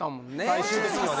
最終的にはね